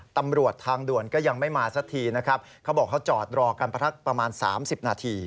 ตำรวจทางด่วนก็ยังไม่มาสักทีนะครับเขาบอกเขาจอดรอกันประทักประมาณ๓๐นาที